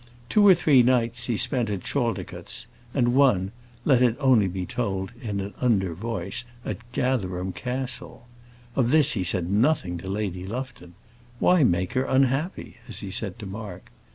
Two or three nights he spent at Chaldicotes; and one let it only be told in an under voice at Gatherum Castle! Of this he said nothing to Lady Lufton. "Why make her unhappy?" as he said to Mark.